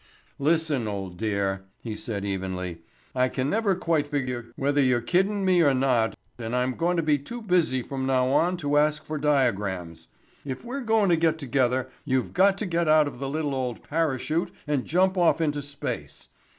"Listen, old dear," he said evenly, "I can never quite figure whether you're kiddin' me or not and I'm going to be too busy from now on to ask for diagrams. If we're goin' to get together you've got to get out the little old parachute and jump off into space.